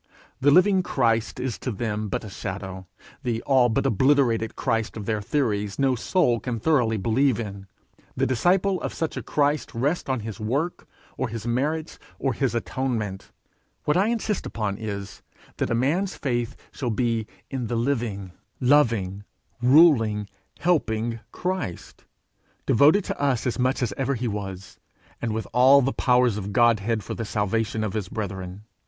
The living Christ is to them but a shadow; the all but obliterated Christ of their theories no soul can thoroughly believe in: the disciple of such a Christ rests on his work, or his merits, or his atonement! What I insist upon is, that a man's faith shall be in the living, loving, ruling, helping Christ, devoted to us as much as ever he was, and with all the powers of the Godhead for the salvation of his brethren.